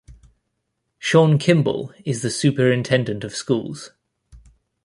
Shawn Kimble is the Superintendent of Schools.